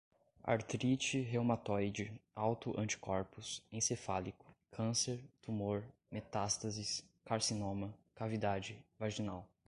artrite reumatoide, auto-anticorpos, encefálico, câncer, tumor, metástases, carcinoma, cavidade, vaginal